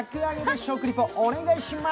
食リポお願いします。